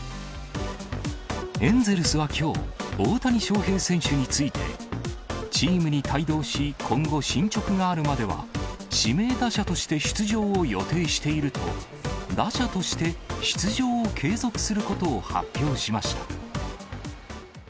エンゼルスはきょう、大谷翔平選手について、チームに帯同し、今後、進捗があるまでは、指名打者として出場を予定していると、打者として出場を継続することを発表しました。